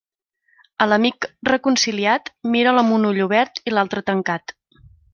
A l'amic reconciliat, mira'l amb un ull obert i l'altre tancat.